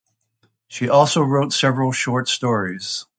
She also wrote several short stories.